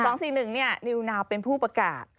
๒๔๑นี่นิวนาวเป็นผู้ประกาศ